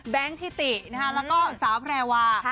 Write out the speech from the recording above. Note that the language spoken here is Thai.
แบงค์ทิติแล้วก็สาวแพลวา